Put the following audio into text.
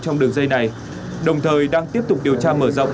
trong đường dây này đồng thời đang tiếp tục điều tra mở rộng